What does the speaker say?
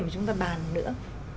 mà chúng ta bàn nữa